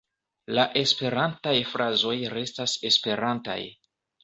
La esperantaj frazoj restas esperantaj.